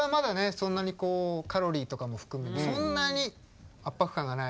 そんなにカロリーとかも含めてそんなに圧迫感がない。